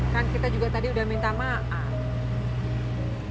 kan kita juga tadi udah minta maaf